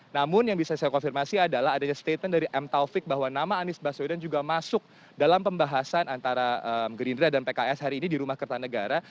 namun yang bisa saya konfirmasi adalah adanya statement dari m taufik bahwa nama anies baswedan juga masuk dalam pembahasan antara gerindra dan pks hari ini di rumah kertanegara